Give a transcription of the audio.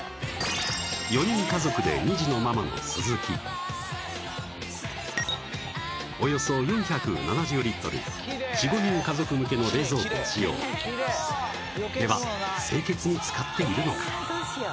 ４人家族で２児のママの鈴木およそ４７０４５人家族向けの冷蔵庫を使用では清潔に使っているのか？